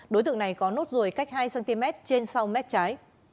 đối tượng này có nốt ruồi cách hai cm trên sau mép trái